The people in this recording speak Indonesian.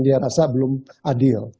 dia rasa belum adil